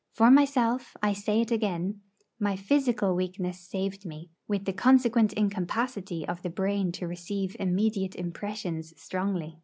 For myself I say it again my physical weakness saved me, with the consequent incapacity of the brain to receive immediate impressions strongly.